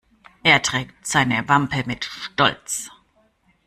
Er trägt seine Wampe mit Stolz.